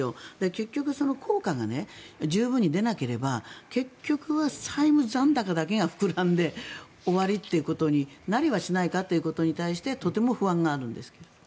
結局、効果が十分に出なければ債務残高だけが膨らんで終わりということになりはしないかととても不安があるんですけど。